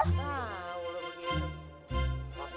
nah walaupun gitu